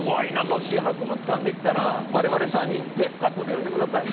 もし博物館できたら我々３人テープカットで呼んでください。